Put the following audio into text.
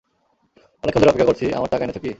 অনেকক্ষণ ধরে অপেক্ষা করছি, আমার টাকা এনেছো কি?